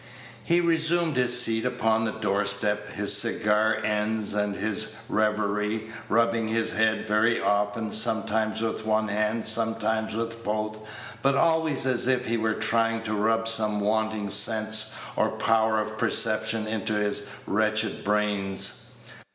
He resumed his seat upon the door step, his cigar ends, and his reverie, rubbing his head very often, sometimes with one hand, sometimes with both, but always as if he were trying to rub some wanting sense or power of perception into his wretched brains.